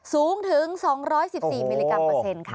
สูงถึง๒๑๔มิลลิกรัมเปอร์เซ็นต์ค่ะ